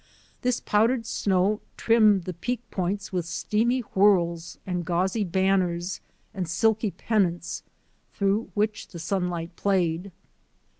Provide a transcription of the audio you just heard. This powdered snow trim med the Peak points with steamy whirls and gauzy banners and silky pennants through which the sunlight played.